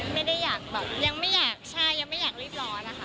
ไม่ได้อยากแบบยังไม่อยากใช่ยังไม่อยากรีบร้อนนะคะ